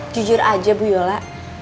jujur aja bu yola